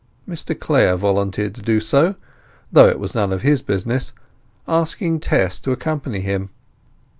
Mr Clare volunteered to do so, though it was none of his business, asking Tess to accompany him.